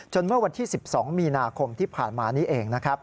จนว่าวันที่๑๒มีนาคมที่ผ่านมานี้เอง